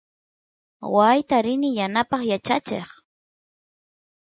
waayta rini yanapaq yachacheq